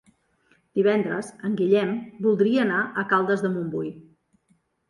Divendres en Guillem voldria anar a Caldes de Montbui.